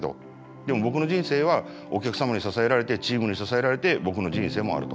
でも僕の人生はお客様に支えられてチームに支えられて僕の人生もあると。